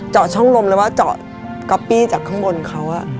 ช่องลมแล้วว่าเจาะก๊อปปี้จากข้างบนเขา